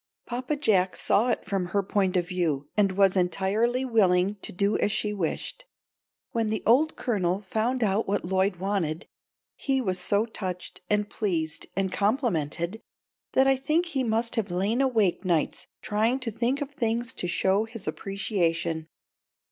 Papa Jack saw it from her point of view and was entirely willing to do as she wished. When the old Colonel found out what Lloyd wanted, he was so touched and pleased and complimented that I think he must have lain awake nights trying to think of things to show his appreciation.